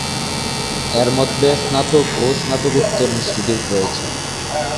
এর মধ্যে স্নাতক ও স্নাতকোত্তর ইনস্টিটিউট রয়েছে।